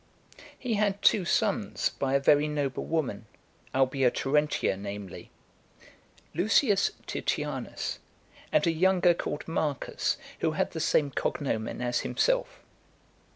He had two sons by a very noble woman, Albia Terentia, namely; Lucius Titianus, and a younger called Marcus, who had the same cognomen as himself.